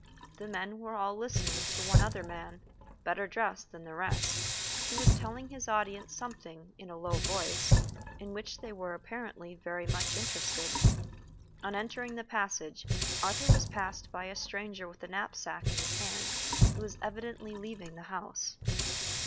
The men were all listening to one other man, better dressed than the rest, who was telling his audience something, in a low voice, in which they were apparently very much interested. On entering the passage, Arthur was passed by a stranger with a knapsack in his hand, who was evidently leaving the house.